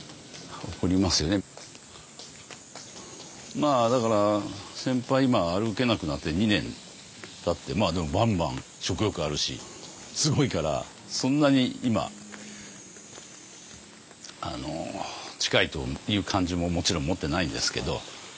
まあだからセンパイ今歩けなくなって２年たってでもバンバン食欲あるしすごいからそんなに今あの近いという感じももちろん持ってないんですけど。